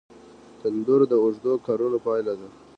تنور د اوږدو کارونو پایله ده